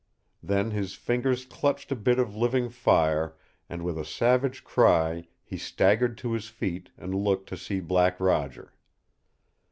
Then his fingers clutched a bit of living fire, and with a savage cry he staggered to his feet and looked to see Black Roger.